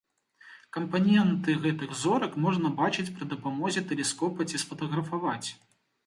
Кампаненты гэтых зорак можна бачыць пры дапамозе тэлескопа ці сфатаграфаваць.